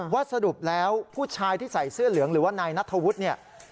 สรุปแล้วผู้ชายที่ใส่เสื้อเหลืองหรือว่านายนัทธวุฒิเนี่ย